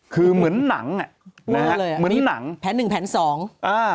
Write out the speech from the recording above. คือเหมือนหนังอ่ะนะฮะเลยอ่ะเหมือนหนังแผนหนึ่งแผนสองอ่า